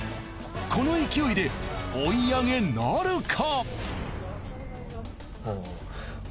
この勢いで追い上げなるか？